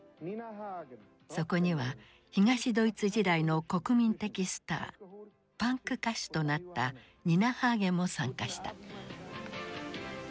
そこには東ドイツ時代の国民的スターパンク歌手となったニナ・ハーゲンも参加した。